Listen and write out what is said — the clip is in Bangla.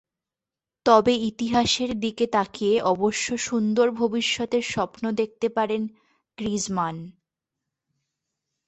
তবে ইতিহাসের দিকে তাকিয়ে অবশ্য সুন্দর ভবিষ্যতের স্বপ্ন দেখতে পারেন গ্রিজমান।